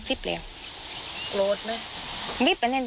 ที่บอกไปอีกเรื่อยเนี่ย